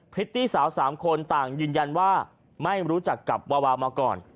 ิตตี้สาว๓คนต่างยืนยันว่าไม่รู้จักกับวาวามาก่อน